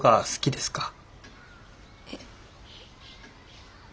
えっ。